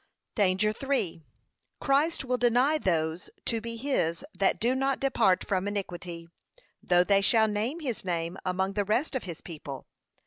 Danger 3. Christ will deny those to be his that do not depart from iniquity, though they shall name his name among the rest of his people.